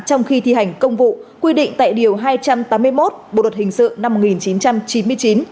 trong khi thi hành công vụ quy định tại điều hai trăm tám mươi một bộ luật hình sự năm một nghìn chín trăm chín mươi chín